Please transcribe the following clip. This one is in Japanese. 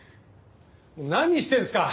何してるんですか！？